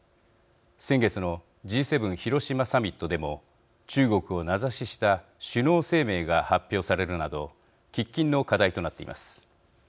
先月のＧ７広島サミットでも中国を名指しした首脳声明が発表されるなど喫緊の課題となっています。